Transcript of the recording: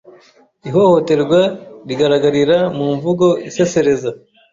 Ihohoterwa rigaragarira mu mvugo isesereza